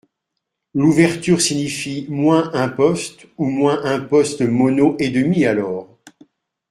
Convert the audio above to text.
L’ouverture signifie moins un poste ou moins un poste mono et demi alors ?